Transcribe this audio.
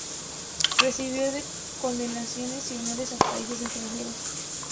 Recibió condecoraciones y honores de países extranjeros.